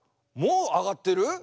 もう上がってる？